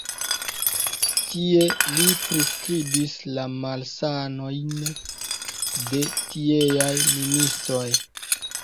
Tie li priskribis la malsanojn de tieaj ministoj.